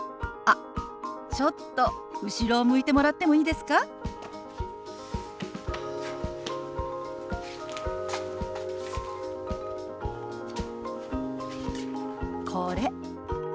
あちょっと後ろを向いてもらってもいいですか？これ。